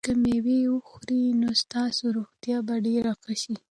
که مېوه وخورئ نو ستاسو روغتیا به ډېره ښه شي.